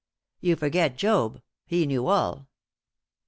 "You forget Job; he knew all."